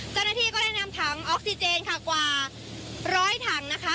เจ้าหน้าที่ก็ได้นำถังออกซิเจนค่ะกว่าร้อยถังนะคะ